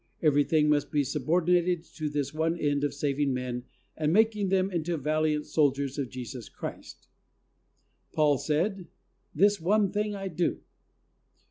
Everything must be subordinated to this one end of saving men and making them into valiant soldiers of Jesus Christ. Paul said: "This one thing I do."